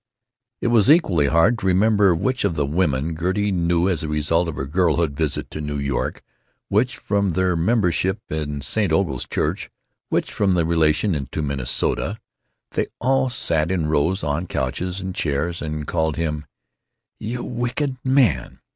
It was equally hard to remember which of the women Gertie knew as a result of her girlhood visit to New York, which from their membership in St. Orgul's Church, which from their relation to Minnesota. They all sat in rows on couches and chairs and called him "You wicked man!"